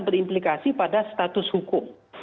terimplikasi pada status hukum